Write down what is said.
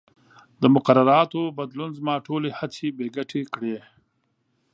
د مقرراتو بدلون زما ټولې هڅې بې ګټې کړې.